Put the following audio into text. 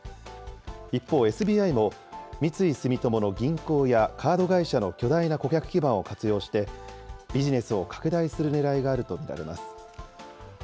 一方、ＳＢＩも、三井住友の銀行やカード会社の巨大な顧客基盤を活用して、ビジネスを拡大するねらいがあると見られます。